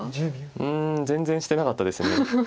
うん全然してなかったです。